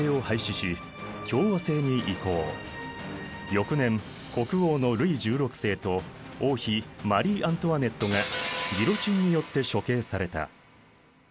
翌年国王のルイ１６世と王妃マリー・アントワネットがギロチンによって処刑された。